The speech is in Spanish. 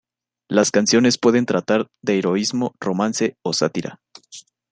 Las canciones pueden tratar de heroísmo, romance o sátira.